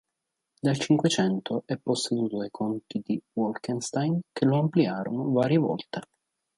Dal Cinquecento è posseduto dai Conti di Wolkenstein che lo ampliarono varie volte.